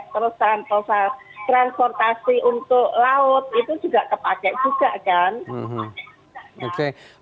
terus transportasi untuk laut itu juga kepake juga kan